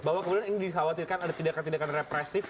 bahwa kemudian ini dikhawatirkan ada tindakan tindakan represif